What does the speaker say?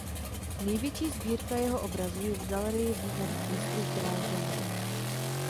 Největší sbírka jeho obrazů je v Galerii nových mistrů v Drážďanech.